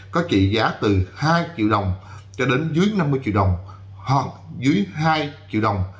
có trị giá từ hai triệu đồng cho đến dưới năm mươi triệu đồng hoặc dưới hai triệu đồng